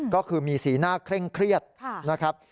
ก็คือมีสีหน้าเคร่งเครียดนะครับ